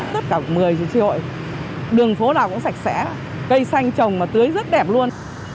tất cả một mươi triệu đường phố nào cũng sạch sẽ cây xanh trồng và tưới rất đẹp luôn